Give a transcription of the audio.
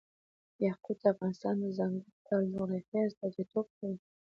یاقوت د افغانستان د ځانګړي ډول جغرافیه استازیتوب کوي.